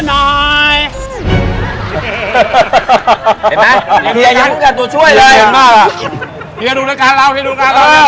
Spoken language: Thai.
เห็นไหมเดี๋ยวยังกับตัวช่วยเลยเดี๋ยวดูละการเราเดี๋ยวดูละการเรา